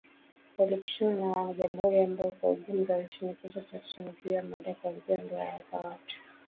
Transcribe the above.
Walipishana na wana jamuhuri ambao kwa ujumla walimshinikiza Jackson, juu ya mada kuanzia ndoa za watu wa jinsia moja